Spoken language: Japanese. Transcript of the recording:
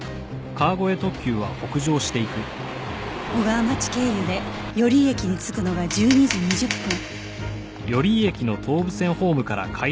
小川町経由で寄居駅に着くのが１２時２０分